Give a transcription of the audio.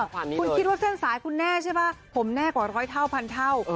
คุณคิดว่าเส้นสายคุณแน่ใช่ป่ะผมแน่กว่าร้อยเท่าพันเท่า